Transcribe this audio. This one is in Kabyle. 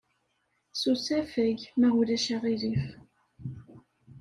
S usafag, ma ulac aɣilif.